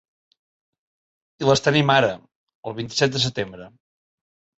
I les tenim ara, el vint-i-set de setembre.